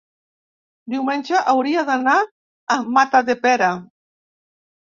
diumenge hauria d'anar a Matadepera.